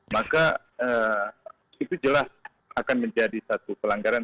maka itu jelas akan menjadi satu pelanggaran